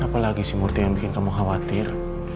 apa lagi sih murti yang bikin kamu khawatir